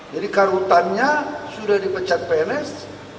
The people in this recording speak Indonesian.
jadi karutannya sudah dipecat pns